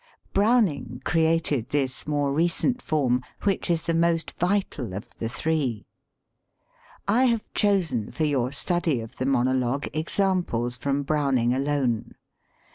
Browning created this more recent form, which is the most vital of the three. I have chosen for your study of 202 DRAMATIC MONOLOGUE AND PLAY the monologue examples from Browning alone.